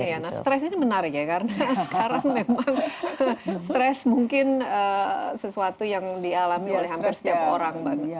iya nah stres ini menarik ya karena sekarang memang stres mungkin sesuatu yang dialami oleh hampir setiap orang